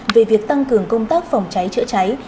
về việc tăng cường công tác phòng cháy chữa cháy